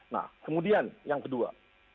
nah kemudian yang kedua